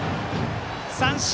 三振。